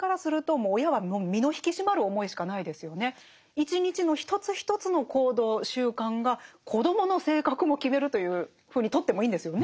一日の一つ一つの行動習慣が子どもの性格も決めるというふうにとってもいいんですよね。